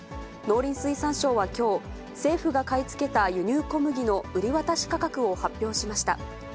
農林水産省はきょう、政府が買い付けた輸入小麦の売り渡し価格を発表しました。